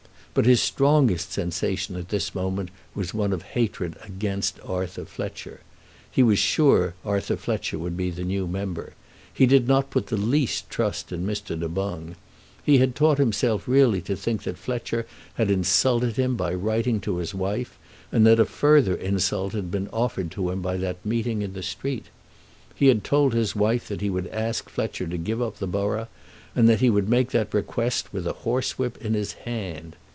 But his strongest sensation at this moment was one of hatred against Arthur Fletcher. He was sure that Arthur Fletcher would be the new member. He did not put the least trust in Mr. Du Boung. He had taught himself really to think that Fletcher had insulted him by writing to his wife, and that a further insult had been offered to him by that meeting in the street. He had told his wife that he would ask Fletcher to give up the borough, and that he would make that request with a horsewhip in his hand.